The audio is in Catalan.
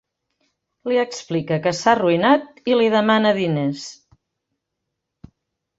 Li explica que s'ha arruïnat i li demana diners.